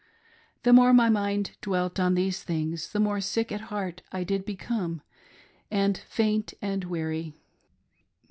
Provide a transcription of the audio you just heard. The more my mind dwelt on these things, the more sick at heart did I become, and faint and weary.